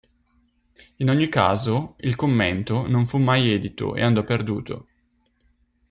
In ogni caso, il "Commento" non fu mai edito e andò perduto.